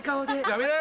やめな！